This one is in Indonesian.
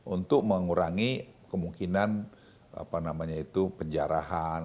untuk mengurangi kemungkinan apa namanya itu penjarahan